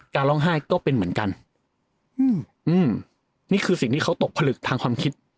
การร้องไห้ก็เป็นเหมือนกันอืมอืมนี่คือสิ่งที่เขาตกผลึกทางความคิด